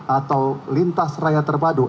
atau lintas raya terpadu